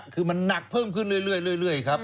คือมันหนักเพิ่มขึ้นเรื่อยครับ